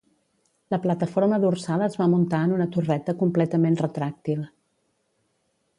La plataforma dorsal es va muntar en una torreta completament retràctil.